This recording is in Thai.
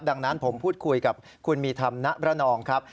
ดังนั้นผมพูดคุยกับคุณมีธรรมณบรนองครับ